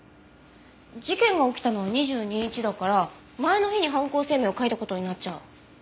事件が起きたのは２２日だから前の日に犯行声明を書いた事になっちゃう。